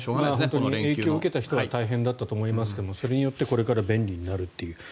影響を受けた人は大変だったと思いますがそれによりこれから便利になるという。